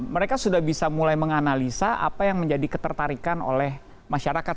mereka sudah bisa mulai menganalisa apa yang menjadi ketertarikan oleh masyarakat